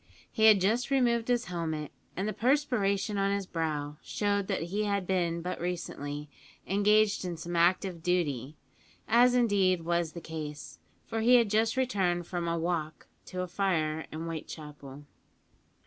He had just removed his helmet, and the perspiration on his brow showed that he had been but recently engaged in some active duty; as indeed was the case, for he had just returned from a "walk" to a fire in Whitechapel.